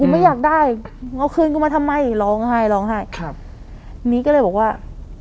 ไม่อยากได้มึงเอาคืนกูมาทำไมร้องไห้ร้องไห้ครับนี้ก็เลยบอกว่า